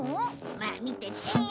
まあ見てて。